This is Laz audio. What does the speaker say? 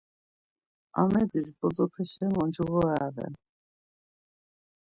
Amedis bozopeşen oncğore aven.